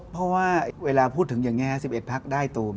เพราะว่าเวลาพูดถึงอย่างนี้๑๑พักได้ตูม